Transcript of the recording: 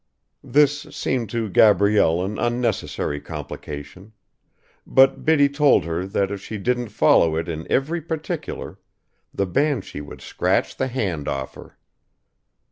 This seemed to Gabrielle an unnecessary complication; but Biddy told her that if she didn't follow it in every particular the banshee would scratch the hand off her.